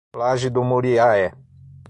Laje do Muriaé